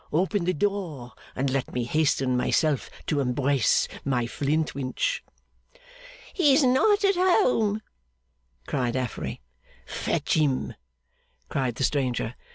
Open the door, and let me hasten myself to embrace my Flintwinch!' 'He's not at home,' cried Affery. 'Fetch him!' cried the stranger.